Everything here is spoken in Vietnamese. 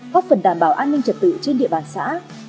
góp phần đảm bảo an ninh trật tự trên địa bàn xã